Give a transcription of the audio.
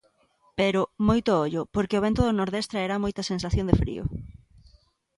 Pero, moito ollo, porque o vento do nordés traerá moita sensación de frío.